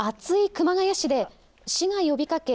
熊谷市で市が呼びかけ